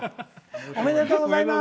おめでとうございます。